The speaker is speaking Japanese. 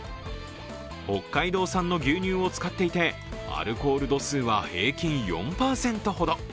北海道産の牛乳を使っていてアルコール度数は平均４％ほど。